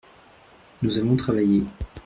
Nous avons travaillé.